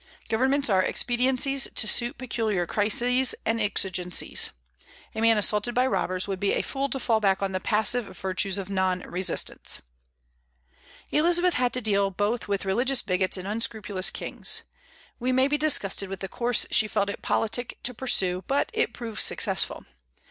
Governments are expediencies to suit peculiar crises and exigencies. A man assaulted by robbers would be a fool to fall back on the passive virtues of non resistance. Elizabeth had to deal both with religious bigots and unscrupulous kings. We may be disgusted with the course she felt it politic to pursue, but it proved successful.